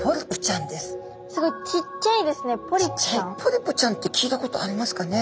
これはポリプちゃんって聞いたことありますかね？